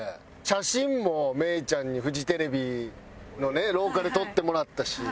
写真も芽郁ちゃんにフジテレビの廊下で撮ってもらったし。